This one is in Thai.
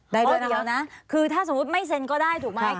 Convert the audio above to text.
ได้ด้วยนะครับคือถ้าสมมติไม่เซ็นก็ได้ถูกไหมค่ะ